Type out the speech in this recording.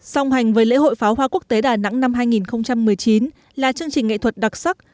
song hành với lễ hội pháo hoa quốc tế đà nẵng năm hai nghìn một mươi chín là chương trình nghệ thuật đặc sắc